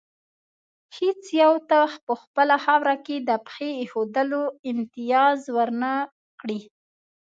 هېڅ یو ته په خپله خاوره کې د پښې ایښودلو امتیاز ور نه کړي.